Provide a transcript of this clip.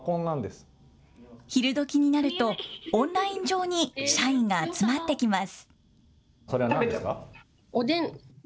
昼どきになるとオンライン上に社員が集まってきます。